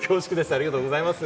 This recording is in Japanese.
ありがとうございます。